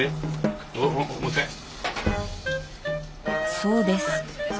そうです。